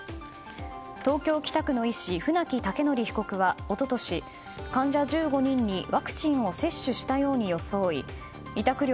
東京・北区の医師船木威徳被告は一昨年患者１５人にワクチンを接種したように装い委託料